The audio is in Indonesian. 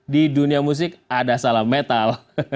di dunia musik ada salam metal